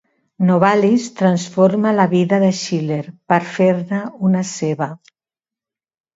Novalis transforma la vida de Schiller, per fer-ne una seva.